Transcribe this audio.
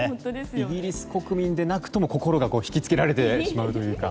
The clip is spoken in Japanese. イギリス国民でなくとも心がひきつけられてしまうというか。